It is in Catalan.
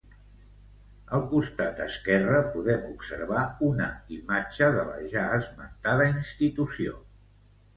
Al costat esquerre, podem observar una imatge de la ja esmentada institució.